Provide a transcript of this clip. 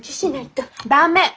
駄目。